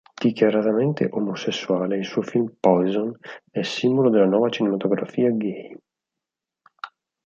Dichiaratamente omosessuale, il suo film "Poison" è simbolo della nuova cinematografia gay.